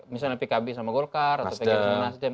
misalnya pkb sama golkar atau pkb sama nasdem